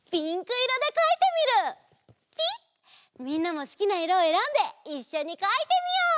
みんなもすきないろをえらんでいっしょにかいてみよう！